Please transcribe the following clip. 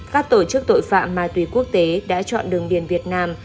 các tổ chức tội phạm ma túy quốc tế đã chọn đường biển việt nam